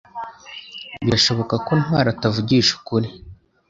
Birashoboka ko Ntwali atavugisha ukuri